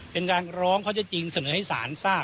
เป็นการร้องข้อเท็จจริงเสนอให้ศาลทราบ